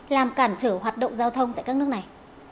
làm cản trở hoạt động giao thông tại các nước này